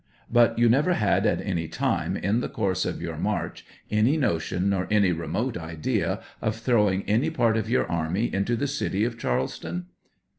But you never had, at any time in the course of your march, any notion, nor any remote idea of throwing any part of your army into the city of Charleston?